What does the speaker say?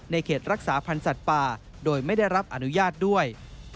เขตรักษาพันธ์สัตว์ป่าโดยไม่ได้รับอนุญาตด้วย